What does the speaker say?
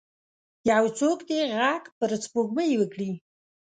یو څوک دې ږغ پر سپوږمۍ وکړئ